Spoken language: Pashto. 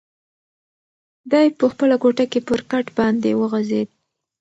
دی په خپله کوټه کې پر کټ باندې وغځېد.